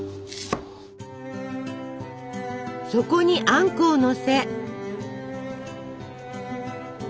そこにあんこをのせ。